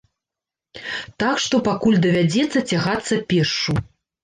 Так што пакуль давядзецца цягацца пешшу.